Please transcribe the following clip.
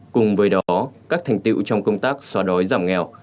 cùng với đó các thành tiệu trong công tác xóa đói giảm nghèo